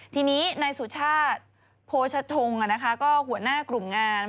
ทีนี้นายสุชาติโภชทงก็หัวหน้ากลุ่มงาน